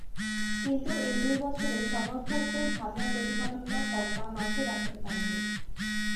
কিন্তু এই দুই বছরে সমর্থকদের ভাবনার প্রতিফলনটা পগবা মাঠে দেখাতে পারেননি।